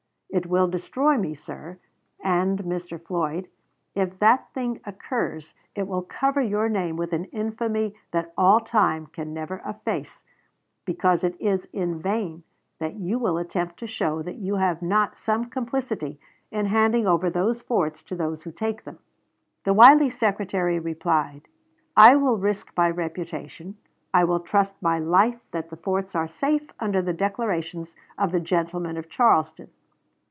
It will destroy me, sir, and, Mr. Floyd, if that thing occurs it will cover your name with an infamy that all time can never efface, because it is in vain that you will attempt to show that you have not some complicity in handing over those forts to those who take them." The wily Secretary replied, "I will risk my reputation, I will trust my life that the forts are safe under the declarations of the gentlemen of Charleston."